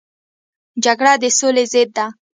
جګړه د سولې ضد ده